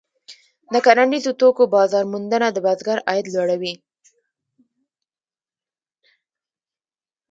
د کرنیزو توکو بازار موندنه د بزګر عاید لوړوي.